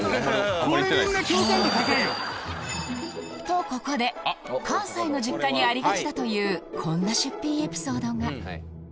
とここで関西の実家にありがちだというこんな出品エピソードが